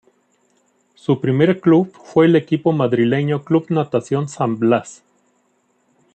Su primer club fue el equipo madrileño Club Natación San Blas.